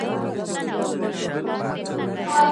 یو غرڅه وو په ځان غټ په قامت ښکلی